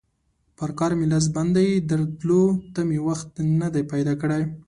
پر کار مې لاس بند دی؛ درتلو ته مې وخت نه دی پیدا کړی.